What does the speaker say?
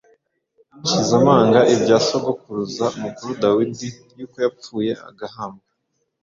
nshize amanga, ibya sogokuruza mukuru Dawidi, yuko yapfuye agahambwa,